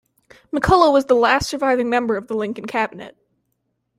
McCulloch was the last surviving member of the Lincoln Cabinet.